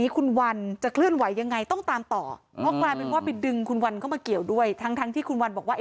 คุณวันเข้ามาเกี่ยวด้วยทั้งที่คุณวันบอกว่า